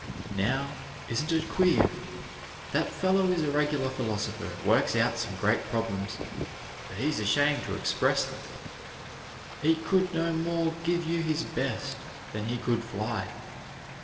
"Now isn't it queer that fellow is a regular philosopher and works out some great problems, but he's ashamed to express 'em. He could no more give you his best than he could fly.